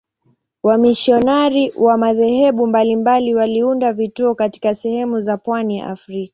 Wamisionari wa madhehebu mbalimbali waliunda vituo katika sehemu za pwani ya Afrika.